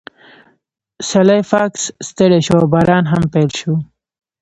سلای فاکس ستړی شو او باران هم پیل شو